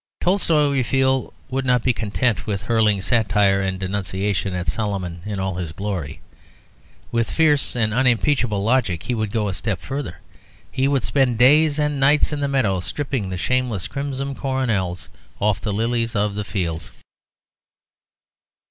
Tolstoy, we feel, would not be content with hurling satire and denunciation at "Solomon in all his glory." With fierce and unimpeachable logic he would go a step further. He would spend days and nights in the meadows stripping the shameless crimson coronals off the lilies of the field.